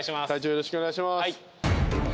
よろしくお願いします